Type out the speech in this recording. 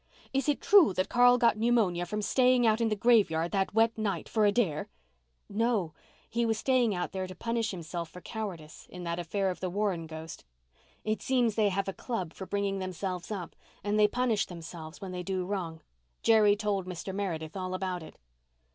Is it true that Carl got pneumonia from straying out in the graveyard that wet night for a dare?" "No. He was staying there to punish himself for cowardice in that affair of the Warren ghost. It seems they have a club for bringing themselves up, and they punish themselves when they do wrong. Jerry told Mr. Meredith all about it."